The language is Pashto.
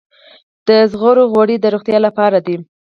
د زغرو غوړي د روغتیا لپاره دي.